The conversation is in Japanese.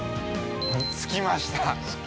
◆着きました。